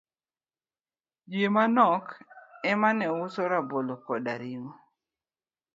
ji manok emane uso rabolo koda ring'o.